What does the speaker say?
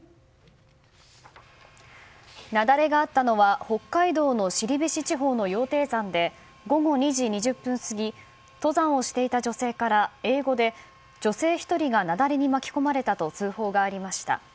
雪崩があったのは北海道の後志地方の羊蹄山で午後２時２０分過ぎ登山をしていた女性から英語で女性１人が雪崩に巻き込まれたと通報がありました。